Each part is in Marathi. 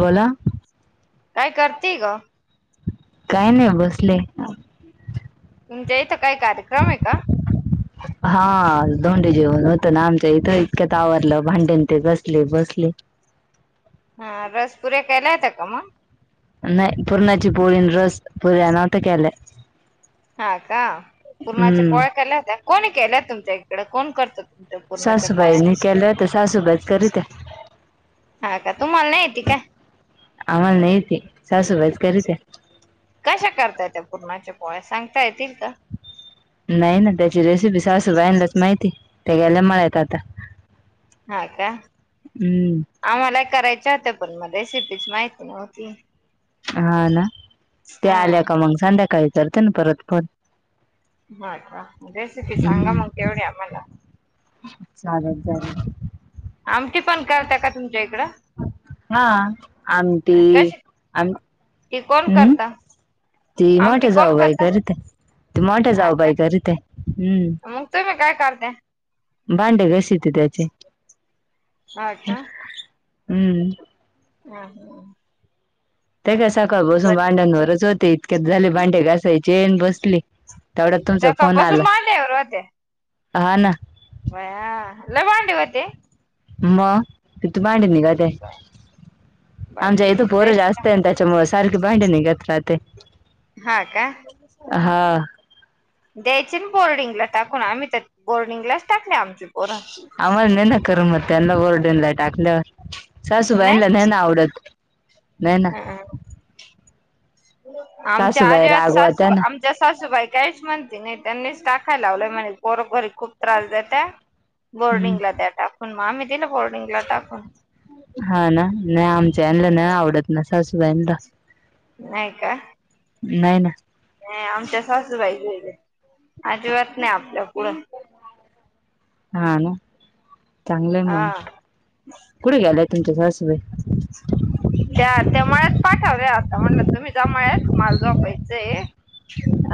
बोला काय करते ग काय नाही बसले. तुमच्या इथं काही कार्यक्रम आहे का हा दंडी जेवन होत ना आमच्या इथं इतकं त आवरलं भांडण ते घसले बसले. हा रसपुऱ्या केलायता का मग नाही पुरणाची पोळी रस पुऱ्या नव्हत्या केलंय. हा का पुरणाच्या पोळ्या केल्या होत्या का कोणी केल्या तुमच्या इकडे कोण करत तुमच्या पूर्णाच्या पोळ्या सासूबाईने केले होते सासूबाईच करीत्या. हा का तुम्हाला नाही येती का हा नाही येत सासू बाई च कर ते कशा करता य त्या पुरणाच्या पोळ्या सांगता येतील.. का नाही ना त्याची रेसिपी सासू बायांनाच माहिती त्या गेल्या मळ्यात आता हा का हम्म आम्हाला करायच होत. पण मग रेसिपीच माहिती नव्हती. हा ना ते हा आल्या का मग संध्याकाळी करते ना परत फोन हा का रेसिपी सांगा हम्म मग तेवढी आम्हाला चालेल चालेल. आमटी पण करता का तुमच्या इकडं हा आमटी आम ते कोण हम्म करता. ती मोठ आमटी कोण जाऊ बाई करता कररी ते ते मोठे हा जाऊ का बाई करी ते मग तुम्ही हम्म काय करताय भांडे घसेते त्याचे अच्छा हम्म ह ह ते का सकाळ बसून भांड्यावरच होते इतक्यात झाले भांडे घासायचे बसले. तेवढ्यात तुमचा फोन सकाळपासून आला, मांड्यावर होत्या हा ना बया लय भांडे होते. मग मांन ग अदे आमच्या बाई इद पोर लयच काम जास्त अंतच्यामुळे [unintelligible] [unintelligible] सारख भांडण निघत राहत्यात. हा का हा द्यायचे ना बोर्डिंगला टाकून आम्ही तर बोर्डिंगलाच टाकले आमचे पोर आम्हाला नाही ना करमत त्यांना [unintelligible] टाकल्यावर सासूबाईणला नाही ना आवडत, नाही ना, ह आमच्या सासूबाई आजीत रागवत्या सासूबा ना आमच्या सासूबाई काहीच म्हणती नाही त्यांनीच टाकाय लावलं म्हणे पोर घरी खूप त्रास देता. हम्म बोर्डिंगला द्या टाकून म्ी दिलं बोर्डिंगला टाकून, नाही आमच्या त्याना ना आवडत ना सासूबाईंला नाहीय का, नाही ना आमच्या सासूबाई अजिबात नाही आपल्या पुढं हा ना चांगलंय मग हा कुठे गेलं. तुमच्या सासूबाई त्या त्यामळ्यात पाठवल्या आता म्हणलं तुम्ही जा मळ्यात मला जोपायचय.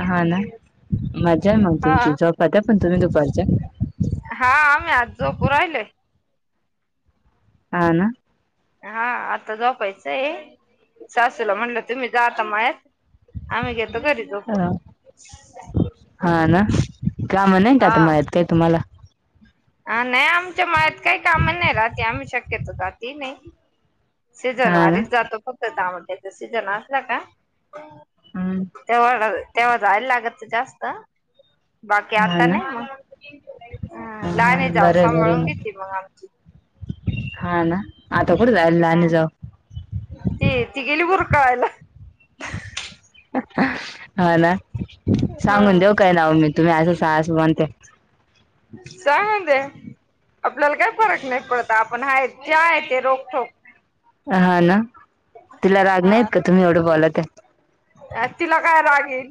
हा ना मज्जा आहे मग हा तुमची झोपात्या पण तुम्ही दुपारच्या हा आम्ही आज झोपू राहिलोय. हा ना हा आता झोपायचं आहे, सासूला म्हणलं तुम्ही जा आता मळ्यात आम्ही घेतो घरी झोपून अ हा ना कामं नाहीतका आता हा. मळ्यात तुम्हाला? हा नाही आमच्या मळ्यात काही काम नाही राहाती, आम्ही शक्यतो जाती नाही. सीझन हा ना वारीच जातो, फक्त टमाट्याचा सीझन असला का हम्म तेव्हा तेव्हा जायला लागत जास्त बाकी हा आता ना नहीं म हा लाहनी जावू बरं आहे, बरं आहे सांभाळून घेते मग आमची हा ना आता कुठं जाईल हा लहानी जावू? ती ती गेली बुरकळायला हा ना हा सांगून देऊ काय नाव मी? तुम्ही असं म्हणताय सांगुण दे आपल्याला काय फरक नाही पडत, आपण जे हाय त्या आहेत हा ना तिला राग नाहीत का हा तुम्ही एवढं बोलात्या? तिला काय राग येईल?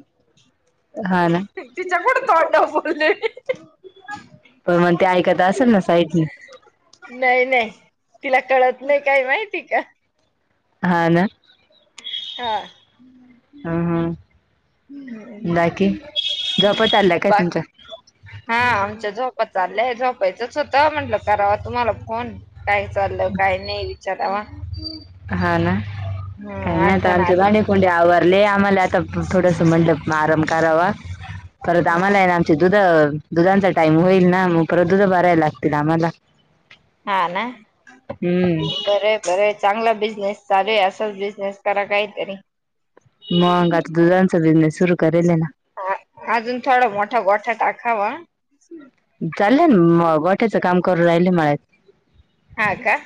हा ना तिच्या कुठं तोंडावर बोलले मी पण मग ते ऐकात असेल ना साइडनी नाही नाही तिला कळतं नाही, काही माहिती का हा ना. हा. ह ह बाकी झोपत आल्या काय बाकी? तुमच्या हा आमच्या झोपत चाललंय झोपाचंच होतं म्हंटलं कराव तुम्हाला फोन काय चाललं काय नाही विचारावा? हा ना. हम्म काही नाही आता आठवण आमचे आली भान्डेकुंन्डे आवरारले आम्हाला आता थोडंसं म्हटलं आराम करावा परत हम्म आम्हाला आहे ना आमचे दुध दुधांचा टाइईम होईल ना मग परत दुध भरायला लागतील आम्हाला हा ना हम्म बर बर चांगला बिजनेस चालूय असंच बिझनेस करा काहीतरी मग आता दुधानचा बिझनेस सुरू करेल आहे ना ह अजून थोडा मोठा गोठा टाकावा. चाललंय ना म गोठ्याचं काम करून राहिले मळ्यात हा का?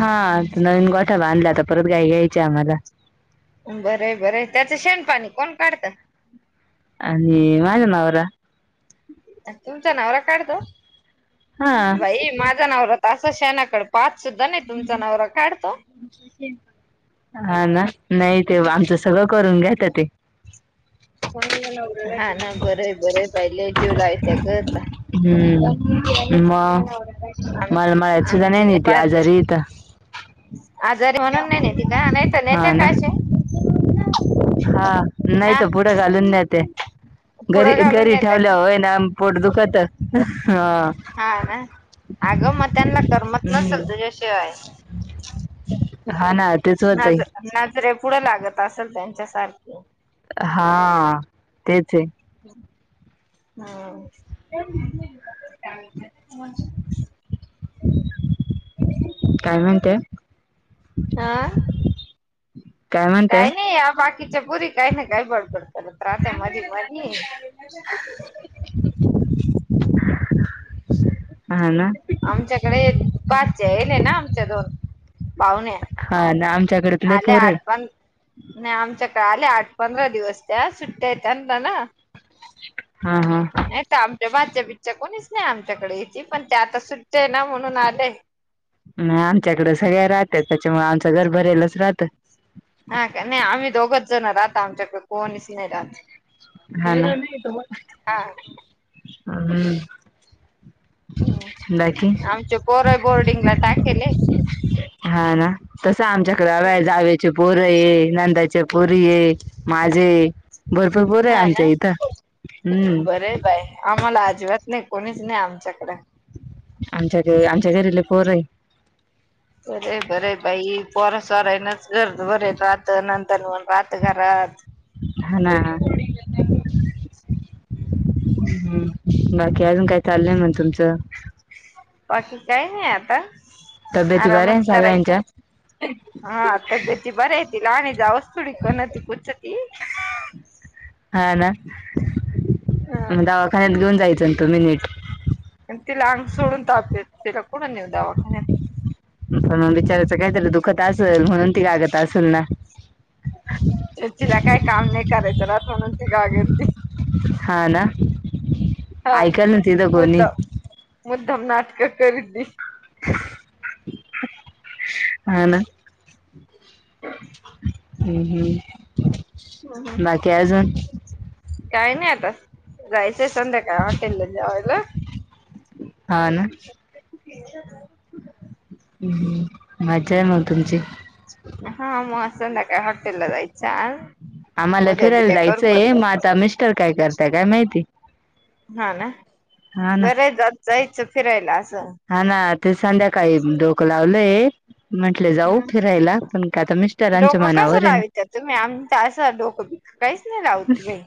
हा नवीन गोठा बांधलाय आता परत गाई घ्यायची आम्हाला बरं बरं त्याचं शेणपाणी कोण काढत? आणि माझा नवरा. तुमचा नवरा काढतो हा बाई माझा नवरा तर शेणाकडे पाहत सुद्धा नाही तुमचा नवरा काढतो हा ना नाही. ते आमचं सगळं करून घेतात. को हा ना बरं बरं बाई लय जीव लावत्या ग त्या [unintelligible] मग आम मला मळयात सुद्धा नाही आमचे नेत पाहते आजारी आजारी म्हणून नाही नेती का? नाही तर नेत हा ना का अशी? हा नाही तर पुुढ घालून नेत्या. घरी पुढं घालून घरी नेत्या का ठेवल्या होय ना पोट दुखतं हा ना अग मग त्यांना करमत नसेल हम्म तुझ्या शिवाय हा ना तेच होतय काय नजरे पुढं लागतं असेल त्यांच्यासारखी हा तेच आहे. हम्म. काय म्हणते? हा काय नाही या बाकीच्या पुरी काय नाही प्रात मधी मधी हा ना आमच्याकडे पाचले ना आमच्या दोन पाहुणे हा ना आमच्याकडे तर लय आले पोर आहे आठ पंधरा नाही आमच्या काडे आले आठ पंधरा दिवस त्या सुट्टया यात त्यांत ना? हा हा ह का आमच्या भाच्जा बिच्चा कोणीच नाही आमच्याकडे हिची पण ते आता सुट्ट आहे ना म्हणून आलंय नाही आमच्याकडे सगळ्या राहतात त्याच्यामुळे आमचं घर भरेलच राहत हा का नाही आम्ही दोघच जण राहत आमच्याकडे कोणीच नाही राहत हा हा. हम्म बाकी हम् आमच्या पोर बोर्डिंग ला टाखेल हा ना तस आमच्याकडे जावेचे पोर पोर ये नंदाच्या पुरी ये माझे भरपूर पोर आहे हा आमच्या ना इथं हम्म बरं य बाय आम्हाला अजिबात नाही कोणीच नाही आमच्याकडे आमच्या घ आमच्या घरीले पोर आहे बरे बरे बाई पोरं सोरान हा ना ह्म बाकी अजून काय चाललंय म्हण तुमचं बाकी काही नाही आता तब्येती बऱ्या आहे आरामच करायचा सगळ्यांच्या हा तब्येत बऱ्या येतील आणि जाऊ थोडी कणती कुच त हम् हा ना मग दवाखान्यात घेऊन जायचं न तुम्ही निट पण तिला अंग सोडून ताप तिला कोणा नेऊ दवाखान्यात पण विचारायचं काहीतरी दुखत असेल म्हणून ती कागत असेल ना चर्चीला काही काम नाही करायचं रात म्हणून त गागती हा ना ऐका ना त द कोणी मुद्दाम मुद्दाम नाटक कर ती ह ना हम् हम्म बाकी अजून काय नाही आता गायच ते संध्या काय हॉटेल ला जाऊला हा ना हम् मजा आहे मग तुमची हा मग असं ना काय हॉटेल ला जायचन आम्हाला फिरायला जायचंय मग आता मिस्टर काय करताय काय माहिती हा ना हा ना बरं ये जात जायचं फिरायला असं हा ना ते संध्याकाळी डोकं लावलंय म्हटले जाऊ फिरायला पण का आता मिस्टरांच्या डोकं कसं मनावर आहे ना लावित्या तुम्ही आमचं असं डोकं बिकं काहीच नाही राऊत भे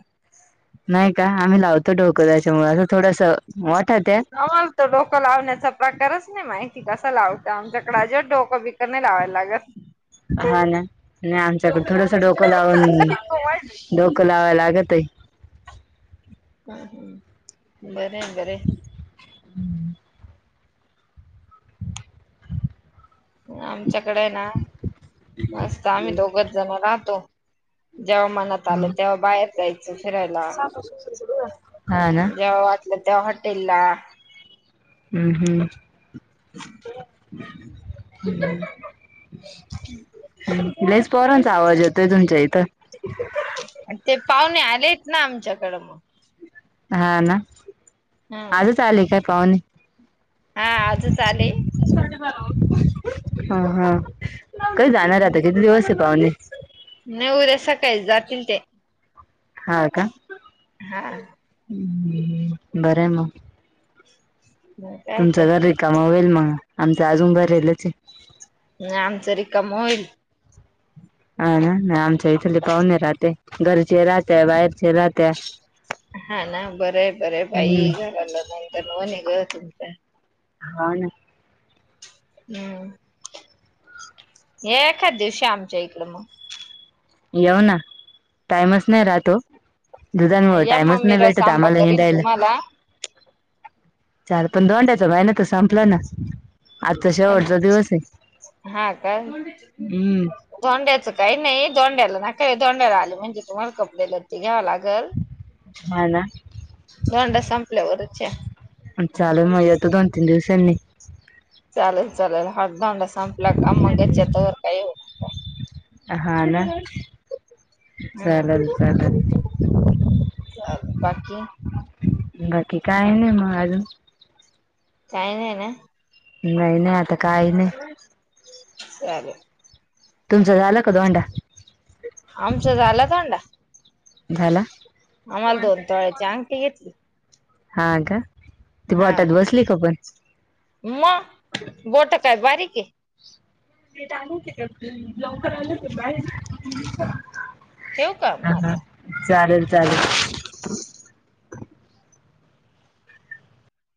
नाही का आम्ही लावतो डोकं त्याच्या मुळे असं थोडस वाटत आहे आम्हाला तो डोकं लावण्याचा प्रकारच नाही माहिती कस लावत आमच्याकडे अजिबात डोकं बिक नाही लावायला लागत हा ना नाही आमच्याकड थोडस डोकं लावून डोक लावाय लागत आहे हम् हम्म बर बर हम्म आमच्याकडे आहे ना मस्त आम्ही दोघच जण राहतो जेव्हा मनात आलं तेव्हा बाहेर जायच फिरायला हा ना जेव्हा वाटलं तेव्हा हॉटेल ला हम् हम्म ह् लईच पोरांचा आवाज येतोय तुमच्या इथे ते पाहुणे आलेत ना आमच्याकडं मग हा ना हम्म आजच आले काय पाहुणे हा आज चाले हा हा कधी जाणार आता किती दिवस आहे पाहुणे न उद्या सकाळी जातील ते हा का हा बर म मग काय तुमचं घर तर रिकाम होईल आमचं अजून भरलेलं आहे आमचं रिकाम होईल आमच्या घरी लय पाहुणे राहते राहत्या बाहेरचे राहत्या हा ना बर आहे बरे बाई हम्म घरातलं नाही तरुण आहे ग तू हा ना हम्म एखाच दिवशी आमच्या इकडे मग येऊ ना टाईमच नाही राहतो दुधांमुळे या टाइमच मग मी नाही रस भेटत आंबा आम्हाला करील हिंडायला तुम्हाला आता धोंड्याचा महिना पण संपलाय हा का हम्म धोंड्याच काही नाही धोंड्याला ना काय आले म्हणजे तुम्हाला कपडे ल ते घ्यावं लागल हा ना दोंडा संपल्यावरच या चालेल मग येतो दोन तीन दिवसांनी चालल चालल धोंडा संपला का मंग येतो हा ना हम्म चालल चालल बाकी बाकी काय नाही मग अजून काही नाहीय ना नाही नाही आता काही नाही चालेल तुमचं झालं का धोंडा आमचा झाला थोंडा झाला आम्हाला दोन तोळ्याची अंगठी घेतली हा का ती हा बोटात बसली का पण मग बोट काय बारीक आहे तेट आलते का लवकर आल होत बाहेर ठेवू का मग हा हा आता चालेल चालेल